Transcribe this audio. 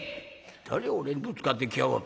「誰が俺にぶつかってきやがった。